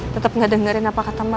tetep gak dengerin apa kata mama dan